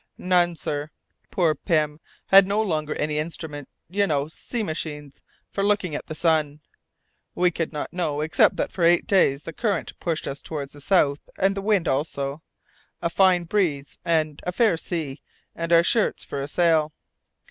"None, sir! Poor Pym had no longer any instrument you know sea machines for looking at the sun. We could not know, except that for the eight days the current pushed us towards the south, and the wind also. A fine breeze and a fair sea, and our shirts for a sail."